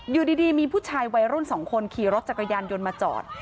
อยู่ดีมีผู้ชายวัยรุ่นสองคนขี่รถจักรยานยนต์มาจอด